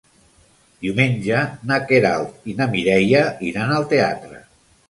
Diumenge na Queralt i na Mireia iran al teatre.